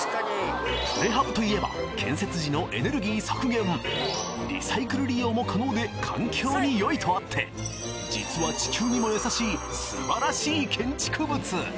プレハブといえば建設時のエネルギー削減リサイクル利用も可能で環境に良いとあって実は地球にも優しいすばらしい建築物